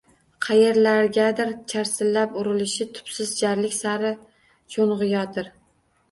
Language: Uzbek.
Qayerlargadir charsillab urilishi tubsiz jarlik sari sho‘ng‘iyotir.